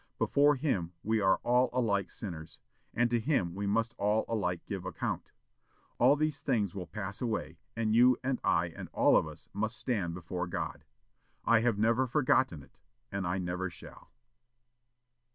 Before him we are all alike sinners, and to him we must all alike give account. All these things will pass away, and you and I and all of us must stand before God.' I have never forgotten it, and I never shall."